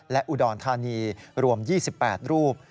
และอุดรธานีรวม๒๘รูป